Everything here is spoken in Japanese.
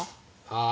ああ！